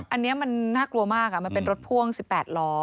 อันนี้มันน่ากลัวมากมันเป็นรถพ่วง๑๘ล้อ